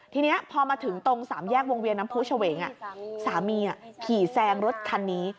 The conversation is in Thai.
ทีนี้พอมาถึงตรงสามแยกวงเวียนน้ำผู้เฉวงสามีขี่แซงรถคันนี้